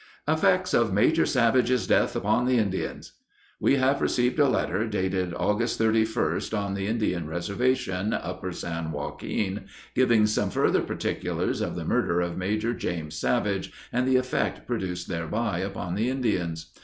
Effect of Major Savage's Death upon the Indians We have received a letter dated August 31st. on the Indian Reservation, Upper San Joaquin, giving some further particulars of the murder of Major James Savage and the effect produced thereby upon the Indians.